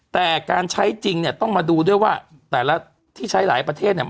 แต่การใช้จริงเนี่ยต้องมาดูด้วยว่าแต่ละที่ใช้หลายประเทศเนี่ย